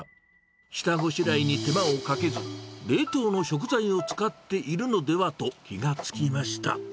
下ごしらえに手間をかけず、冷凍の食材を使っているのではと気が付きました。